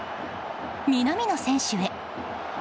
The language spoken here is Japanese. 南野選手へ。